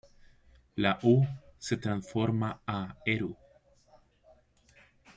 La "u" se transforma a "eru".